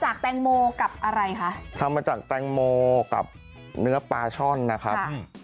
ข้างบัวแห่งสันยินดีต้อนรับทุกท่านนะครับ